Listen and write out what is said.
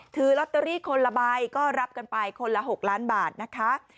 ถือลอตเตอรี่คนละใบก็รับกันไปคนละ๖ล้านบาทนะคะ